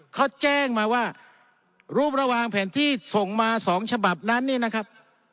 เขาแจ้งมาว่ารูประหว่างแผนที่ส่งมาสองฉบับนั้นเนี่ยนะครับ